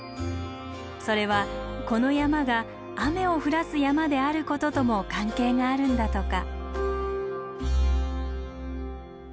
それはこの山が雨を降らす山であることとも関係があるんだとか。